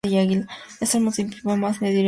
Es el municipio más meridional del Gran Londres.